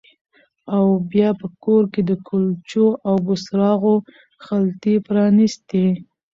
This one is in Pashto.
او بیا په کور کې د کلچو او بوسراغو خلطې پرانیستې